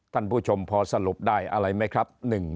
ท่านผู้ชมพอสรุปได้อะไรไหมครับ